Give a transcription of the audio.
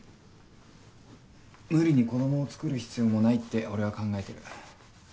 無理に子どもを作る必要もないって俺は考えてる。